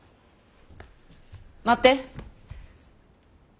待って。